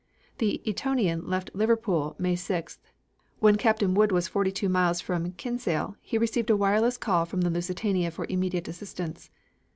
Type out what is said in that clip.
The Etonian left Liverpool, May 6th. When Captain Wood was forty two miles from Kinsale he received a wireless call from the Lusitania for immediate assistance.